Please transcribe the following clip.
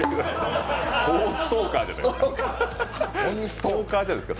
ストーカーじゃないですか。